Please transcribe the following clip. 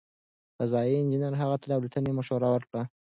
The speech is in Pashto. فضايي انجنیر هغې ته د الوتنې مشوره ورکړه.